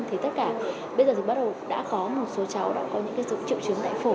thì tất cả bây giờ thì bắt đầu đã có một số cháu đã có những triệu chứng tại phổi